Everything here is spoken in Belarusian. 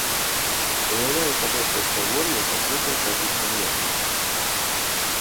Уяўляе сабой пласкагор'е, пакрытае трапічных лесам.